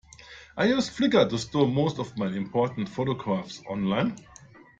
I use Flickr to store most of my important photographs online